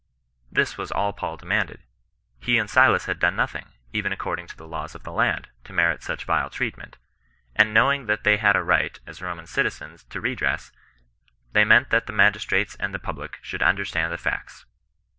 This was all Paul demanded. He and Silas had done nothing, even according to the laws of the land, to merit such vile treatment ; and knowing that they had a right, as Roman citizens, to redress, they meant that the magistrates and the public should under stand the facts.